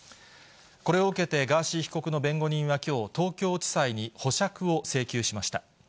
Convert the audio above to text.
これを受けてガーシー被告の弁護人はきょう、東京地裁に保釈を請求しました。